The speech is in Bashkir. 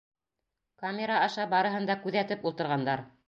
Камера аша барыһын да күҙәтеп ултырғандар.